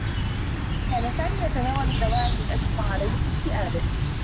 كان سامي يتناول دواءا من أجل معالجة اكتئابه.